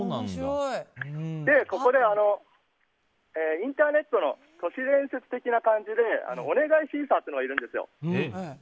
ここでインターネットの都市伝説的な感じでお願いシーサーというのがいるんですよ。